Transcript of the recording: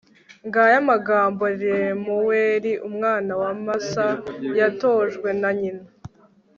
ngaya amagambo lemuweli, umwami wa masa, yatojwe na nyina